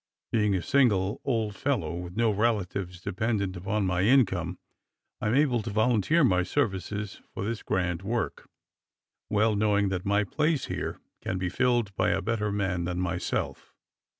Being a single old fellow, with no relatives dependent upon my income, I am able to volunteer my services for this grand work, well know^ing that my place here can be filled by a better man than myself.